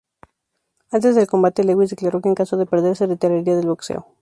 Antes del combate, Lewis declaró que en caso de perder se retiraría del boxeo.